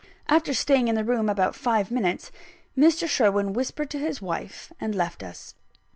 After staying in the room about five minutes, Mr. Sherwin whispered to his wife, and left us.